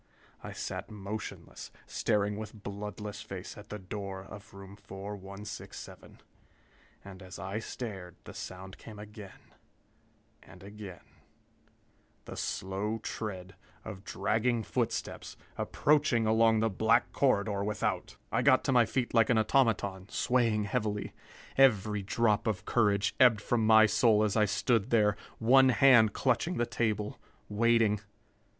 I sat motionless, staring with bloodless face at the door of room 4167. And as I stared, the sound came again, and again the slow tread of dragging footsteps, approaching along the black corridor without! I got to my feet like an automaton, swaying heavily. Every drop of courage ebbed from my soul as I stood there, one hand clutching the table, waiting....